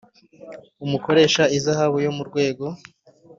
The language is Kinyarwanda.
Umukoresha ihazabu yo mu rwego